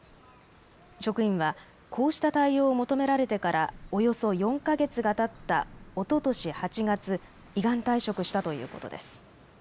職員はこうした対応を求められてからおよそ４か月がたったおととし８月、依願退職したということです。